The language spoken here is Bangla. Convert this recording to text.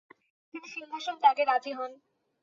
তিনি সিংহাসন ত্যাগে রাজি হন।